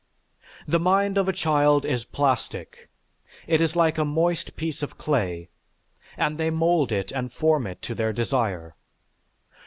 The mind of a child is plastic, it is like a moist piece of clay and they mould it and form it to their desire.